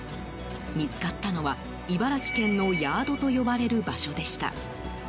見つかったのは、茨城県のヤードと呼ばれる場所でした。